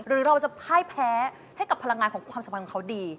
หรือเราจะพ่ายแพ้ให้กับพลังงานของความสัมพันธ์เขาดี